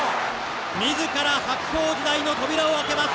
自ら白鵬時代の扉を開けます！